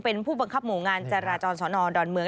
เป็นผู้บังคับหมู่งานจราจรสนดอนเมือง